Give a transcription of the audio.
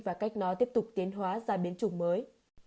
và cách nó tiếp tục tiến hóa ra biến chủng mới